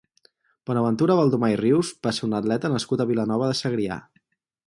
Bonaventura Baldomà i Rius va ser un atleta nascut a Vilanova de Segrià.